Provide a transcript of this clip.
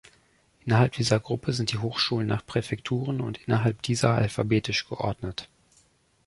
Innerhalb dieser Gruppen sind die Hochschulen nach Präfekturen und innerhalb dieser alphabetisch geordnet.